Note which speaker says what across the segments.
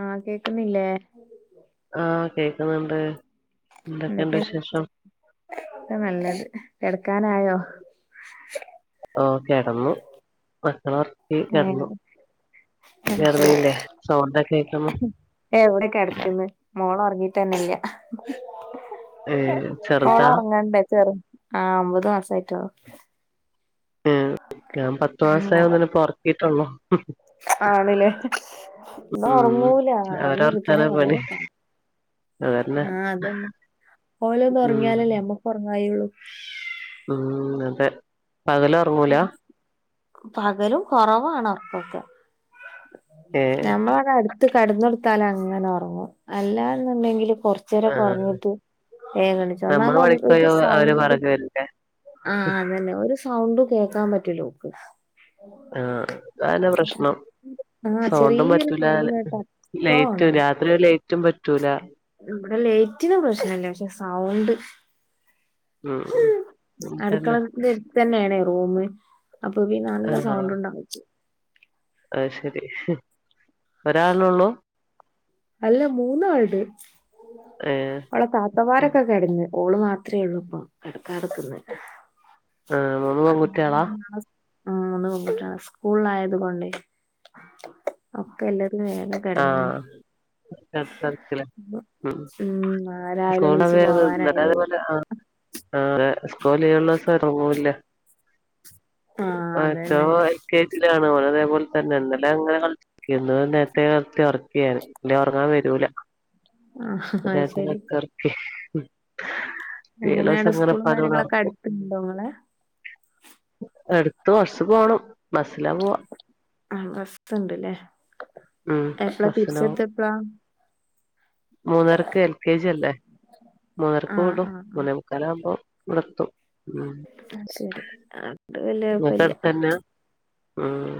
Speaker 1: ആഹ് കേക്കുന്നില്ലേ?
Speaker 2: ആഹ് കേക്കുന്നുണ്ട്. എന്തൊക്കെയുണ്ട് വിശേഷം?
Speaker 1: നല്ലത് കെടക്കാനായോ?
Speaker 2: ഓഹ് കെടന്നു. മക്കൾ ഒ ഈ കെട്ന്നു.
Speaker 1: ഏഹ്
Speaker 2: കെടന്നീല്ലേ സൗണ്ടക്കേ കേക്കുന്നു
Speaker 1: ഏഹ് വിടെ കെടക്കന്ന്. മോള് ഒറങ്ങീട്ടന്നെ ഇല്ല
Speaker 2: ഏഹ് ചെറുതാ
Speaker 1: ഓളൊറങ്ങണ്ടേ ചെർ ആഹ് ഒമ്പത് മാസായിട്ടൊള്ളു
Speaker 2: ഉം ഞാൻ പത്തു മാസായൊന്നിനെ ഇപ്പൊ ഒറക്കിട്ടൊള്ളൂ.
Speaker 1: ആണ് ല്ലേ. ഇത്
Speaker 2: ഉം
Speaker 1: ഒറങ്ങൂല്ല
Speaker 2: അവരെ
Speaker 1: ഒറങ്ങി കിട്ടണേ
Speaker 2: ഉറക്കാനാ
Speaker 1: കൊറേ
Speaker 2: പണി
Speaker 1: പ
Speaker 2: അതന്നെ
Speaker 1: ആഹ് അതന്നെ ഓലൊന്ന്
Speaker 2: ഉം
Speaker 1: ഒറങ്ങിയാലല്ലേ നമ്മക്കൊറങ്ങായുള്ളു.
Speaker 2: ഉം അതെ പകലൊറ
Speaker 1: പകലും കൊറവാണ് ഒർകൊക്കെ.
Speaker 2: ഏഹ്
Speaker 1: ഞമ്മളട അട്ത്ത് കട്ന്നൊട്ത്താലങ്ങനൊറങ്ങും. അല്ലാന്നുണ്ടെങ്കില് കൊർച് ച്ചേരൊക്കെ
Speaker 2: ആഹ്
Speaker 1: ഒറങ്ങീട്ട് ഏഗണിച്ചു ഒന്നാമ ഒ ഒരു സൗണ്ട്
Speaker 2: ഇല്ലെ
Speaker 1: ആഹ് അതന്നെ ഒരു സൗണ്ടും കേക്കാൻ പറ്റൂലോക്ക്
Speaker 2: ആഹ് ഇത് ആനെ പ്രശ്നം
Speaker 1: ആഹ്
Speaker 2: സൗണ്ടും
Speaker 1: ചെറിയൊരു
Speaker 2: പറ്റൂല
Speaker 1: സൗണ്ട് കേട്ടാ അപ്പ
Speaker 2: ലൈറ്റും രാത്രി ലൈറ്റും പറ്റൂല
Speaker 1: ഇബടെ ലേറ്റിന് പ്രശ്നല്ല പക്ഷെ സൗണ്ട്
Speaker 2: ഉം ഉം തന്നെ
Speaker 1: അട്ക്കളന്റെ എട്ത്തന്നെയാണേ റൂമ്. അപ്പൊ പിന്നെ നല്ല സൗണ്ട് ഇണ്ടാവും.
Speaker 2: അഹ് ശരി. ഒരാള് ഉള്ളൂ
Speaker 1: അല്ല മൂന്നാളുണ്ട്.
Speaker 2: ഏഹ്
Speaker 1: അവളളെ പ്പമാരൊക്കെ കെട്ന്ന് ഓള് മാത്രേ ഉള്ളൂ ഇപ്പൊ കെടക്കാതെക്കന്ന്
Speaker 2: ആഹ് മൂന്ന് പെൺകുട്ടികളാ
Speaker 1: [unintelligible] സ്‌കൂൾ ആയതുകൊണ്ടെയ് പ്പ എല്ലതും വേഗം കെടന്ന്ണ്
Speaker 2: ആഹ്
Speaker 1: ഉം ആ രാവിലെ എണീച്ച് പോവാനായില്ലേ
Speaker 2: [unintelligible] ആഹ് സ്കൂൾ ലീവ്ള്ളോസം ഉറങ്ങുല്ല
Speaker 1: ആഹ് അതന്നെ
Speaker 2: [unintelligible] കെ ജി ലാണ് ഓന് അതേപോൽ തന്നെ ഇന്നലങ്ങനെ കൾ കിടത്തി ഉറക്കി ഞാൻ പിന്നെ ഉറങ്ങാൻ വരൂല
Speaker 1: ആഹ്
Speaker 2: [unintelligible] ലീവുള്ള
Speaker 1: എങ്ങനെ
Speaker 2: ദിവസം
Speaker 1: ആണ്
Speaker 2: അങ്ങനെ
Speaker 1: സ്കൂളും
Speaker 2: ഉപ്പാന്റെ കൂടെ
Speaker 1: കാര്യങ്ങളൊക്കെ
Speaker 2: നടക്കും
Speaker 1: അടുത്തിണ്ടോ ഇങ്ങളെ?
Speaker 2: അടുത്ത് കൊർച്ച് പോണം ബസ്സിലാ പോവാ.
Speaker 1: ആഹ് ബസ്ണ്ട്ല്ലേ.
Speaker 2: ഉം
Speaker 1: എപ്പളാ
Speaker 2: ബസ്സിന് പോവും
Speaker 1: തിരിച്ചെത്ത എപ്പളാ?
Speaker 2: മൂന്നരക്ക് എൽ കെ ജി അല്ലേ.
Speaker 1: ആ
Speaker 2: മൂന്നരക്ക് വിടും
Speaker 1: ആ ആ.
Speaker 2: മൂന്നേ മുക്കാലാവുമ്പോ ഇവുടെത്തും
Speaker 1: ആയ് ശരി. അത് വല്ല്യ
Speaker 2: ഇങ്ങക്ക്
Speaker 1: കൊഴപ്പല്ല്യ
Speaker 2: അടുത്തന്നെയാ ഉം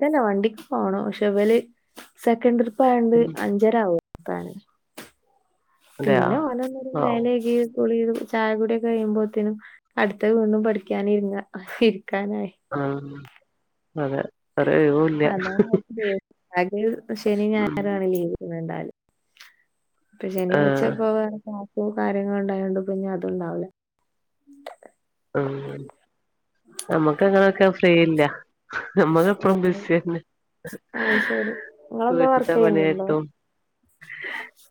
Speaker 1: തന്ന വണ്ടിക്ക് പോണം പക്ഷെ ഇവല് സെക്കൻഡ് ട്രിപ്പ് ആയൊണ്ട് അഞ്ചര ആവും എത്താന്
Speaker 2: അതെയോ
Speaker 1: പിന്നെ ഓലൊന്നര
Speaker 2: വൗ
Speaker 1: മേലയ്കി ചായ കുടിയൊക്കെ കഴിയുമ്പോഴത്തേനും അടുത്തത് വീണ്ടും പഠിക്കാന് ര്ങ്ങ ഇരിക്കാനായി
Speaker 2: ആഹ് അതെ ഒരൊഴിവൂല്ല
Speaker 1: അതാണ് അവർക്ക് ദേ അത് ശനി ഞയാറാണ് ലീവ് [unintelligible] ഇപ്പൊ
Speaker 2: ആഹ്
Speaker 1: ശനിയാഴ്ചപ്പൊ [unintelligible] സ്കൂളും കാര്യങ്ങളും ഉണ്ടായോണ്ട് ഇപ്പോ ഇനി അത് ഉണ്ടാവൂല്ല
Speaker 2: ആഹ് നമ്മക്ക അങ്ങനക്കെ ഫ്രീയില്ല. നമ്മക്ക് എപ്പളും ബിസി തന്നെ
Speaker 1: അയ് ശരി ഇങ്ങളെന്താ വർക്ക് ചെയ്യുന്നുണ്ടോ
Speaker 2: പണിയായിട്ടും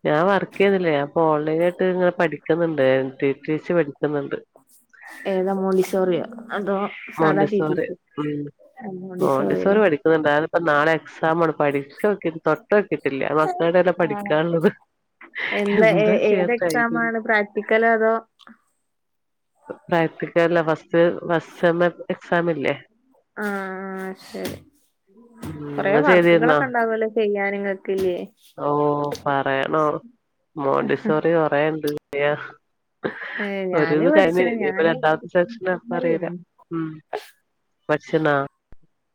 Speaker 2: ഞാൻ വർക്ക് ചെയ്യുന്നില്ല ഇപ്പൊ ഓൺലൈൻ ആയിട്ട് ഇങ്ങെനെ പഠിക്കുന്നുണ്ട് ക്കുന്നുണ്ട്
Speaker 1: ഏതാ മോണ്ടിസോറിയോ അതോ സാധാ ടി ടി
Speaker 2: മോണ്ടിസോറി
Speaker 1: സി
Speaker 2: അം മോണ്ടിസോറി
Speaker 1: മോണ്ടിസോറില്ലേ
Speaker 2: പഠിക്കുന്നുണ്ട് ഇപ്പം നാളെ എക്സാം ആണ് പഠിചൊക്കെ തൊട്ടൊക്കിട്ടില്ല മക്കളുടെ തന്നെ പഠിക്കാനുള്ളത് എന്താ ചേയ്യാ ടൈമ്
Speaker 1: പടിപ്പിക്കലാ അതോ
Speaker 2: പ്രാറ്റിക്കലാ ഫസ്റ്റ് ഫസ്റ്റ് സെമ് എക്സാാം ഇല്ലേ
Speaker 1: ആഹ ആ ശരി
Speaker 2: ഉം
Speaker 1: കൊറെ
Speaker 2: ഇങൾചെയ്തിരുന്നോ
Speaker 1: വർക്കുകളൊക്കെ ഉണ്ടാവല്ലോ ചെയ്യാൻ നിങ്ങക്കില്ലേ
Speaker 2: ഓ പറയണോ മോണ്ടിസോറി കൊറേണ്ട്
Speaker 1: ഏ
Speaker 2: ഒരിത്
Speaker 1: ഞാനും പഠിച്ച
Speaker 2: കഴിഞ്ഞ് രണ്ടാമത്തെ സെക്ഷന അറിയില്ല ഉം പഠിച്ചിണോ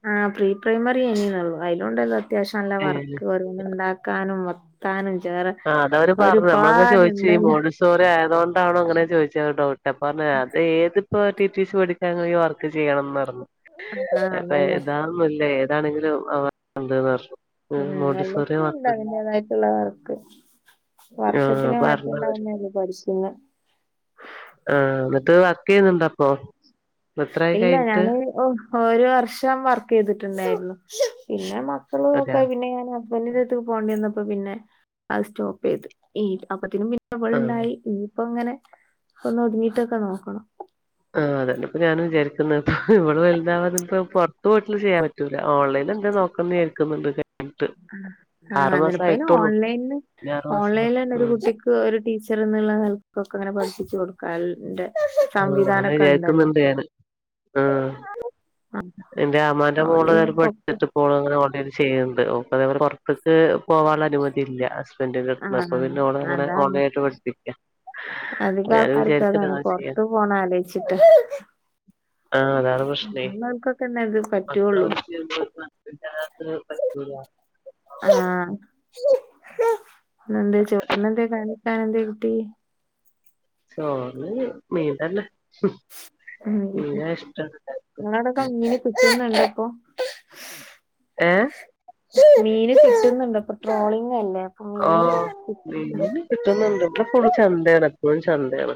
Speaker 1: ആ പ്രീ പ്രൈമറി അനിയന്നള്ളു അതിലോണ്ടല്ലോ അത്യാവശ്യം നല്ല
Speaker 2: ഏഹ്
Speaker 1: വർക്ക് ഓരോന്ന് ഉണ്ടാക്കാനും താനം ചേറെ
Speaker 2: ആഹ് അത് അവര് പറഞ്ഞു നമ്മളങ്ങനെ ചോയിച്ചു കഴിമ്പോ
Speaker 1: ഒരുപാടുണ്ടല്ലോ
Speaker 2: ഓര് സോറി ആയതോണ്ടാണോ അങ്ങനെ ചോദിച്ചട്ടോ അത് ഏത്പ്പം ഏതിപ്പോ ടി ടി സി പഠി ഞങ്ങൾ ഈ വർക്ക് ചെയ്യണംന്ന് പറഞ്ഞു
Speaker 1: ആഹ്
Speaker 2: അപ്പൊ
Speaker 1: അതന്നെ
Speaker 2: ഏതാന്നല്ല ഏതാണെങ്കിലും അവ രണ്ടുമൂന്നു വർഷം
Speaker 1: ഉം എല്ലാത്തിലും ഉണ്ട് അതിന്റേതായിട്ടുള്ളവർക്ക്
Speaker 2: ആഹ്
Speaker 1: വർഷത്തിന്
Speaker 2: പറഞ്ഞവര്
Speaker 1: മാറ്റണ്ടാവുന്നല്ലേ പഠിപിന്
Speaker 2: ആഹ എന്നിട്ട് വർക്ക് ചെയ്യുന്നുണ്ടോ അപ്പൊ എത്രായി
Speaker 1: ഇല്ല
Speaker 2: കഴിഞ്ഞിട്ട്
Speaker 1: ഞാനേ ഓ ഒരു വർഷം വർക്ക് ചെയ്തിട്ടുണ്ടായിരുന്നു. പിന്നെ മക്കളെ നോക്കാൻ
Speaker 2: അതെയാ
Speaker 1: പിന്നെ ഞാൻ കുഞ്ഞിന്റെ അടുത്തേക്ക്പോകേണ്ടി വന്നപ്പോ പിന്നെ അത് സ്റ്റോപ്പ് ചെയ്ത്. അപ്പത്തേക്കിനു പിന്നെ അവൾ
Speaker 2: ആഹ്
Speaker 1: ഉണ്ടായി ഇനിയിപ്പം ഇങ്ങനെ അതൊക്കെ ഒതുങ്ങിട്ടൊക്കെ നോക്കണം.
Speaker 2: ആ അതെന്നെപ്പോ ഞാനും വിചാരിക്കുന്നത്. ഇവള് വലുതാവാതെ ഇപ്പം പുറത്തു പോയിട്ടൊന്നുചെയ്യാൻ പ പറ്റൂല്ല ഓൺലൈൻ എന്ത് നോക്കാന്ന് വിചാരിക്കുന്നുണ്ട് കഴിഞ്ഞിട്ട്
Speaker 1: ആ
Speaker 2: ആറു മാസം
Speaker 1: അന്നേരപ്പേന്
Speaker 2: ആയിട്ടുള്ളൂ
Speaker 1: ഓൺലൈനില്
Speaker 2: ഇനി ആറു മാസം
Speaker 1: ഓൺലൈനിൽ തന്നെ ഒരു
Speaker 2: ഉം
Speaker 1: കുട്ടി ഒരു ടീച്ചർ എന്നുള്ള നിലക്കൊക്കെ ഇങ്ങനെ പഠിപ്പിച്ച് കൊടുക്കാലൊ എന്റെ
Speaker 2: ആ അങ്ങനെ വിചാരിക്കുന്നുണ്ട് ഞാന്. ആ.
Speaker 1: ആഹ്
Speaker 2: എന്റെ അമ്മാന്റെ
Speaker 1: അതുകൊണ്ട്
Speaker 2: മോള്
Speaker 1: പിന്നെ
Speaker 2: അങ്ങനെ
Speaker 1: പൊക്കെ
Speaker 2: പഠിച്ചിട്ട് ഇപ്പങനെ ഓൺലൈൻനിൽ ചെയ്യുന്നുണ്ട്. [unintelligible] ക്ക് പോകാനുള്ള അനുമതി ഇല്ല ഹസ്ബൻഡ് [unintelligible] അപ്പൊ പുറത്ത് ക്ക് പോവാൻ അനുമതി ഇല്ല ഹസ്ബൻ്റ് ഗൾഫിലാ
Speaker 1: ആഹ്
Speaker 2: അപ്പൊപിന്നെ ഓള് അങ്ങനെഓൺലൈനായിട്ട് പഠിപ്പിക്കാ ഞാനും
Speaker 1: അതിലിപ്പം
Speaker 2: വിചാരിക്കണ്ട്
Speaker 1: [unintelligible]
Speaker 2: അങ്ങനെ ചെയ്യാൻ
Speaker 1: പൊറത്ത് പോണോന്ന് ആലോചിച്ചിട്ട്
Speaker 2: ആ അതാണ്
Speaker 1: ങ്ങൾക്കൊക്കെന്നെ ഇത് പറ്റുള്ളൂ
Speaker 2: [unintelligible]
Speaker 1: ആ ഇന്നെന്തേ ചോറിന് എന്തേ കറി വെയ്ക്കാൻ എന്തേകിട്ടി?
Speaker 2: ചോറിന് മീൻ തന്നെ മീനാ ഇഷ്ടം എല്ലാവർക്കും.
Speaker 1: അങ്ങനെ കിട്ടുന്നുണ്ടോ ഇപ്പം?
Speaker 2: ഏ?
Speaker 1: മീന് കിട്ടുന്നുണ്ടോ? ഇപ്പൊ ട്രോളിങ് അല്ലേ? അപ്പൊ
Speaker 2: ഓ
Speaker 1: മീനും കിട്ടുന്നുണ്ട്
Speaker 2: മിന് കിട്ടുന്നുണ്ട്. ഇപ്പം ഫുൾ ചന്തയാണ് എപ്പോഴും ചന്തയാണ്.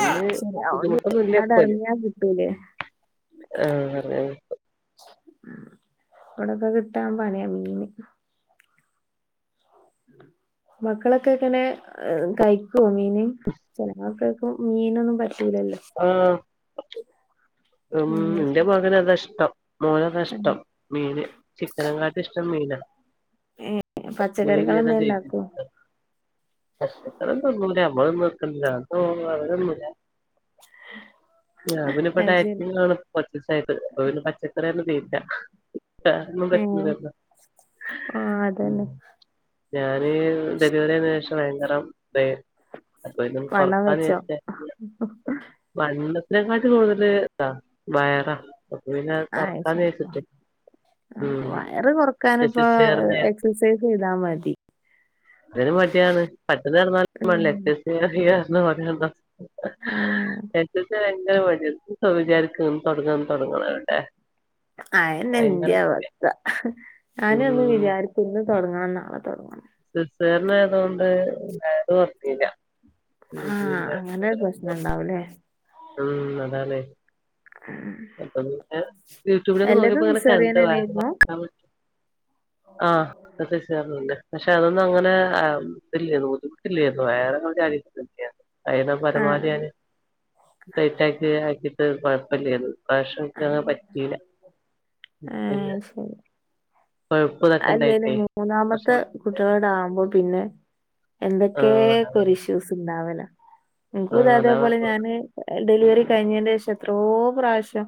Speaker 1: ആഹ് ശരി
Speaker 2: ബുദ്ധിമുട്ടൊന്നുംഇല്ല.
Speaker 1: അതെറിഞ്ഞാ കിട്ടൂലേ
Speaker 2: [unintelligible] [unintelligible]
Speaker 1: ഉം. ഇവിടൊക്കെ കിട്ടാൻ പണിയാ മീന്. മക്കളൊക്കെ എങ്ങനെ കഴിക്കുവോ മീൻ? ചില മക്കൾക്കു ഇപ്പൊ മീനൊന്നും പറ്റൂലല്ലോ?
Speaker 2: ആ. ഉം.
Speaker 1: ആഹ്
Speaker 2: എന്റെ മകന് അതാഇഷ്ടം. മോന് അതാ ഇ ഷ്ടം മീന് ചിക്കനെ കാട്ടി ഇഷ്ടം മീനാ.
Speaker 1: ഏഹ് പച്ചക്കറികളെന്തേണ്ടാക്കോ
Speaker 2: [unintelligible] [unintelligible] ഞാൻ പിന്നെ
Speaker 1: അത്
Speaker 2: ഡയ
Speaker 1: ശരി
Speaker 2: [unintelligible] കുറച്ചു ദിവസായിട്ട് പച്ചക്കറിയൊന്നു തീരില്ല.
Speaker 1: ഉം
Speaker 2: [unintelligible]
Speaker 1: ആ അത് തന്നെ.
Speaker 2: ഞാന് ഡെലിവറികഴിഞ്ഞശേഷം ഭയങ്കരം അപ്പഴേക്കും
Speaker 1: വണ്ണം
Speaker 2: കൊറക്കാന്ന്
Speaker 1: വെച്ചോ
Speaker 2: വിചാരിച്ചി വണ്ണത്തേക്കാട്ടി കൂടുതല് ഇതാ വയറാ അപ്പ പിന്നെ
Speaker 1: ആ
Speaker 2: കൊറക്കാന്ന് വെച്ചിട്ട് ഉം
Speaker 1: വയറ് കുറക്കാന് ഇപ്പ
Speaker 2: എക്സൈസ് ചെയ്യാർന്നെ
Speaker 1: എക്സസൈസ്ചെയ്താ മതി.
Speaker 2: അതിന് മടിയാണ് പട്ടിണി കിട്ടാനാലും
Speaker 1: ഉം
Speaker 2: വേണ്ടില്ല. എക്സസൈസ് ചെയ്യാൻ
Speaker 1: ആ
Speaker 2: [unintelligible] എക്സസ് ചെയ്യാൻ ഭയങ്കര മടിയാ. ഇന്ന് ഇപ്പം വിചാരിക്കും തൊട്ങ്ങണം തുടങ്ങണമെന്ന്എവിടെ
Speaker 1: അന്നെയാ എന്റെയും അവസ്ഥ. ഞാനും അങ്ങ്
Speaker 2: ഉം
Speaker 1: വിചാരി ഇന്ന് തുടങ്ങാം നാളെ തുടങ്ങാം
Speaker 2: സിസേറിയനായതുകൊണ്ട് വയറ് കുറഞ്ഞില്ല.
Speaker 1: ആ അങ്ങനെ ഒരു പ്രശ്നം ഉണ്ടാവുല്ലേ?
Speaker 2: ഉം. അതാണ്.
Speaker 1: ഉം
Speaker 2: അപ്പൊ പിന്നെ യൂട്യൂബിലൊക്കെ നോക്കിയപ്പോ ഇങ്ങനെ
Speaker 1: സിസേറിയൻ
Speaker 2: കണ്ടു വയറ്
Speaker 1: തന്നെയായിരുന്നു
Speaker 2: കുറക്കാൻ പറ്റു ആ [unintelligible] പക്ഷെ അതൊന്നും അങ്ങനെ ഇത്ഇല്ല്യാ [unintelligible] അയിന്റെ
Speaker 1: ആ
Speaker 2: പരമാവധി ടൈയ്റ്റാക്കിട്ട് കൊഴപ്പില്ലായിരുന്നു
Speaker 1: ഏ
Speaker 2: പിന്നെ
Speaker 1: ശരി
Speaker 2: കൊഴുപ്പ് ഇതൊക്കെ
Speaker 1: അല്ലേലു
Speaker 2: ഇണ്ടായിട്ടേ
Speaker 1: മൂന്നാമത്തെ
Speaker 2: കൊർച്ച്
Speaker 1: കുട്ട്യോളാടാക്കുമ്പോ പിന്നെ എന്തൊക്കെ
Speaker 2: ആഹ്
Speaker 1: ഇഷ്യൂസ് ഇണ്ടാവല ഇൻക്കും ഇതെ
Speaker 2: ആഹ്
Speaker 1: അതെ
Speaker 2: അതാ
Speaker 1: പോലെ
Speaker 2: പർഞ്ഞത്
Speaker 1: ഞാന് ഡെലിവറി കഴിഞ്ഞതിന്റെ ശേഷം എത്രോ പ്രാവശ്യം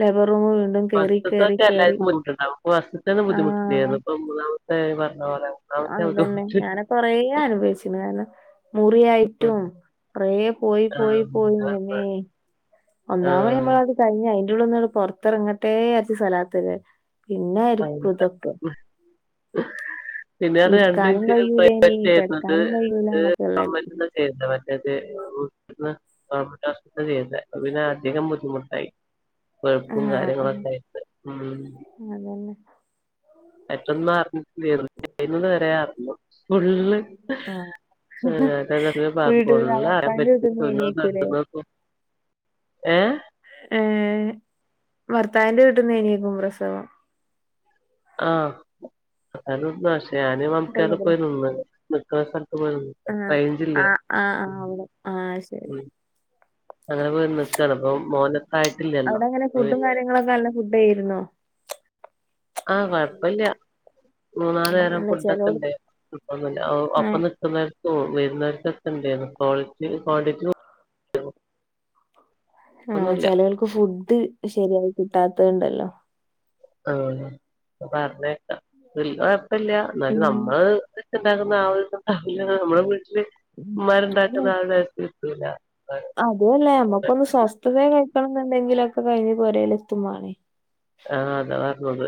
Speaker 1: ലേബർ റൂമ് കേറി കേറി
Speaker 2: ഫസ്റ്റ്ത്തൊക്കെ
Speaker 1: കേറി
Speaker 2: എല്ലാർക്കും ബുദ്ധിമുട്ട്ണ്ടാവും ഫസ്റ്റ്ത്തൊന്നും
Speaker 1: ആഹ്
Speaker 2: ബുദ്ധിമുട്ടില്ലായിരുന്നു ഇപ്പം മൂന്നാമത്തെ പറഞ്ഞ പോലെ മൂന്നാമത്തെ
Speaker 1: അത്തന്നെ
Speaker 2: ബുദ്ധിമുട്ട്
Speaker 1: ഞാനെക്ക കൊറേ അനുഭവിച്ച്ണ് കാരണം
Speaker 2: ഉം.
Speaker 1: മുറിയായിട്ടും കൊറെ പോയി പോയി
Speaker 2: ആഹ് അതാ
Speaker 1: പോയിന്നമേ
Speaker 2: പർഞ്ഞെ
Speaker 1: ഒന്നാമെ
Speaker 2: ആഹ്
Speaker 1: നമ്മള് അത് കഴിഞ്ഞ് അയിന്റുള്ളിന്ന് പൊറത്തിറങ്ങട്ടെ വിച്ചാരിച്ച് സലാത്ത് ല്ല
Speaker 2: [unintelligible] പിന്നെണ് രണ്ട്
Speaker 1: ഇരിക്കാനും
Speaker 2: കുട്ടികൾ
Speaker 1: കഴിയൂലേനി
Speaker 2: പ്രെവറ്റ് ആയിരുന്നത്
Speaker 1: കെടക്കാനും കഴിയൂല
Speaker 2: അത്
Speaker 1: എന്നൊക്കെ
Speaker 2: ഗവൺമെന്റി
Speaker 1: ഉള്ളായിരിക്കും
Speaker 2: മറ്റേത് അയിന് അധികം ബുദ്ധിമുട്ടായി കൊഴുപ്പും
Speaker 1: ആഹ് ആഹ്
Speaker 2: കാര്യങ്ങളൊക്കെ ആയിട്ട് ഉം
Speaker 1: അതന്നെ
Speaker 2: പ്പെട്ടെന്ന് അറിഞ്ഞിട്ടില്ലേന്നു പ്രസവിക്കുന്നത് വരെ അറിഞ്ഞു ഫുള്ള്
Speaker 1: ആഹ് വീട്ടില്
Speaker 2: ഫുള്ള് അറിയാൻ
Speaker 1: ഭർത്താവിന്റെ വീട്ടിന്ന് എണീക്കൂലേ
Speaker 2: പറ്റ്ന്നെള്ളു [unintelligible] ഏ
Speaker 1: ഏ ഭർത്താവിന്റെ വീട്ടിനേന്യാക്കു പ്രസവം
Speaker 2: ആ അത് പക്ഷെ ഞാന് ഹോം കേർ
Speaker 1: അതല്ലത്
Speaker 2: പോയി നിന്ന് നിക്ക്ണ സ്ഥലത്ത് പോയി നിന്ന് റെയ്ഞ്ചില്ലേ
Speaker 1: ആഹ് ആഹ് ആഹ് അവിടെ ആഹ് ശരി
Speaker 2: ഉം അങ്ങനെ പോയി നിക്കാണ് അപ്പം മോനത്തായിട്ടില്ലല്ലോ അപ്പ പിന്നെ
Speaker 1: നിങ്ങളക്കെല്ല ഫുഡായിരുന്നോ
Speaker 2: ആ കൊഴപ്പല്ല മൂന്നാലു നേരം
Speaker 1: അല്ല
Speaker 2: ഫുഡെക്കെ
Speaker 1: ചെലോൽ
Speaker 2: ഇണ്ട് കൊഴപ്പന്നുല്ല ഒപ്പ
Speaker 1: ആഹ്
Speaker 2: നിക്ക് ന്നോര്ക്കും വരുന്നോര്കെക്കെ ഇണ്ടായിരുന്നു ക്വാളിറ്റി ക്വാണ്ടിറ്റിം
Speaker 1: ആഹ്
Speaker 2: ഒന്നുമില്ല
Speaker 1: ചെലോൽക്ക് ഫുഡ് ശരിയായി കിട്ടാത്തതുണ്ടല്ലോ.
Speaker 2: ആഹ് പറ്ഞ്ഞേക്ക വല്ല്യ കൊഴപ്പല്ല എന്നാലും
Speaker 1: ഉം
Speaker 2: നമ്മള്. ഇണ്ടാക്കുന്ന ആഹ് ഒരു ഇത്ണ്ടാവുല നമ്മുടെ വീട്ടില് ഇമ്മാര്ണ്ടാക്ക്ന്ന ആഹ് ഒരു ഇത് കിട്ടൂല.
Speaker 1: അതല്ലേ നമ്മുക്കൊന്ന് സ്വസ്ഥതയിൽ നിക്കണന്നുണ്ടെങ്കിലൊക്കെ കഴിഞ്ഞ് പോരേലെത്തും മാണേ.
Speaker 2: ആഹ് അതാ പറഞ്ഞത്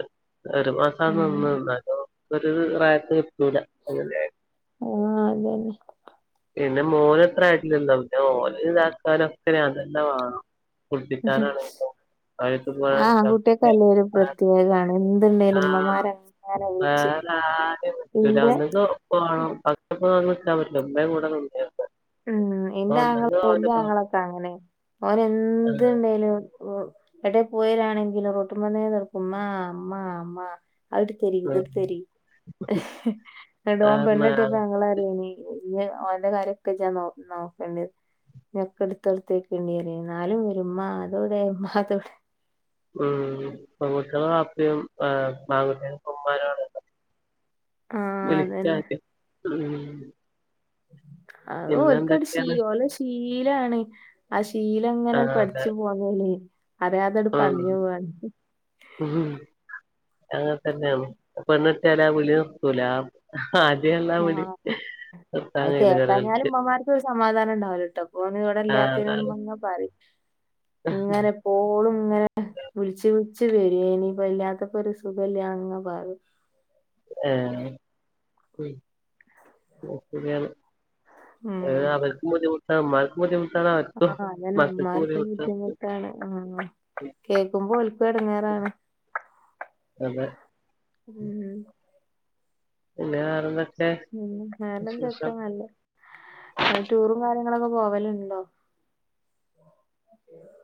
Speaker 2: ഒരു
Speaker 1: ഉം
Speaker 2: മാസാനിന്ന് ന്നാലും. ഒരു റാക്ക് കിട്ടൂല അങ്ങനെ.
Speaker 1: ആഹ് അതന്നെ.
Speaker 2: പിന്നെ മോനെത്ര ആയിട്ടില്ലോ പിന്നെ ഓലെ ഇതാക്കാനൊക്കെ ഞാൻ തന്നെ വേണം.
Speaker 1: മ് ഹും
Speaker 2: കുളിപ്പിക്കാനാണെങ്കിലും അടുത്ത്
Speaker 1: ആഹ് ആൺ കുട്ട്യോക്ക് ആകൂമ്പോ ഒരു
Speaker 2: പോകാനൊക്കെ
Speaker 1: പ്രത്യേകാണ്. എന്തുണ്ടേലും
Speaker 2: ആഹ്
Speaker 1: ഉമ്മമാരങ്ങനെ വിളിച്ച്
Speaker 2: വേറെ ആരിം കിട്ടൂല
Speaker 1: ഇന്റെ
Speaker 2: ഒന്നതേ ഇപ്പാണേ ഉപ്പാക്ക് ഇപ്പം വന്ന് നിക്കാൻ പറ്റോ ഉമ്മേ കൂടെ നിന്നെ.
Speaker 1: ഉം എന്റൊങ്ങള വല്ല്യ
Speaker 2: പ
Speaker 1: ആങ്ങളൊക്കെ അങ്ങനെ ഓന്
Speaker 2: ആഹ്
Speaker 1: എന്ത്ണ്ടേലും. എടെ പോയിവരാണങ്കിലും റോട്ടുമന്നെ തെറ്ക്കും മ്മാ മ്മാ മ്മാ അത്ട് തരി
Speaker 2: ഉം
Speaker 1: ഇത്ട് തരി ങ്ങട്ട് ഓന് പെണ്ണ്
Speaker 2: കാരണം
Speaker 1: കെട്ടിയപ്പം
Speaker 2: ആഹ്
Speaker 1: ഞങ്ങള് പറയേനി. ഇഞ് ഓന്റെ കാര്യക്കെ ഇജജാ നോ നോക്കണ്ട്യത്. ഇഞ്ഞ് ഒക്കെ എട്ത്തട്ത്തേക്കണ്ടി പറി ഇന്നാലും വരും ഇമ്മാ അതോടെമ്മ അതോടെ.
Speaker 2: ഉം പെൺക്കുട്ടികളെ ബാപ്പിം ആൺകുട്ടികളക്കൈ ഇമ്മാരാണല്ലെ.
Speaker 1: ആഹ് അതന്നെ
Speaker 2: വിളിക്കാത്യം ഉം.
Speaker 1: അഹ് ഓൽക്കരു
Speaker 2: പിന്നെന്തൊക്കെയാണ്
Speaker 1: ശീയേ ഓലെ. ശീലാണ് ആഹ് ശീലങ്ങനെ
Speaker 2: ആഹ് അതെ
Speaker 1: പഠ്ച്ചു പോന്നോല്. അറിയാതാണ്ട്
Speaker 2: ഉം
Speaker 1: പറഞ്ഞ് പോവാണ്.
Speaker 2: ഉം അങ്ങന് തന്നെയാണ് പെണ്ണട്ട്യാലും ആഹ് വിളി നിർത്തൂല ആഹ്. ആദൃള്ള വിളി
Speaker 1: ആഹ്
Speaker 2: നിർത്താൻ കഴിയൂല ചേലോൽക്ക്.
Speaker 1: ക്കൊരു സമാധാനം ഉണ്ടാവൂലട്ടോ ഓന് ഇവിടെ
Speaker 2: ആഹ്
Speaker 1: ഇല്ലാത്തേനോട്
Speaker 2: അതാണ്
Speaker 1: ഇമ്മ ഇങ്ങനെ പറിം. ഇങ്ങനെപ്പോളും ഇങ്ങനെ വിള്ച്. ച്ച് വെരെയ്നി ഇപ്പം ഇല്ലാത്തപ്പോ ഒരു സുഖല്ല അങ്ങനെ പറിം.
Speaker 2: ഏത് ഉം അത് ശെരിയാണ്. ഏ
Speaker 1: ഉം.
Speaker 2: അവർക്കും ബുദ്ധിമുട്ട്. ആഹ് ഇമ്മാർക്കും ബുദ്ധിമുട്ടാണ് അവർക്കും
Speaker 1: ആഹ് അതന്നെ
Speaker 2: മക്കൾക്കും
Speaker 1: ഉമ്മാർക്കും
Speaker 2: ബുദ്ധിമുട്ടാണ്.
Speaker 1: ആഹ് കേക്കുമ്പോ ഓൽക്കും എടങേറാണ്.
Speaker 2: അതെ.
Speaker 1: ഉം.
Speaker 2: പിന്നെ വേറെന്തൊ
Speaker 1: പിന്നെ കേരളത്തിലൊക്കെ നല്ല ടൂറും കാര്യങ്ങളൊക്കെ പോവല്ണ്ടോ? [inaudible]